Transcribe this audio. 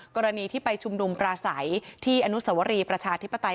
กรณีที่ไปชุมนุมปราศัยที่อนุสวรีประชาธิปไตย